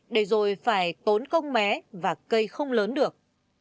để rồi phải tốn công mé và cây không lớn được